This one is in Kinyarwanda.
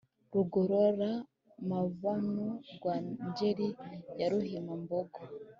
Rugorora-mabano rwa Ngeri ya Ruhima-mbogo,